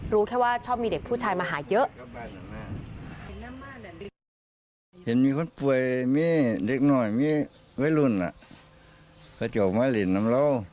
รู้แค่ว่าชอบมีเด็กผู้ชายมาหาเยอะ